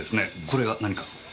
これが何か？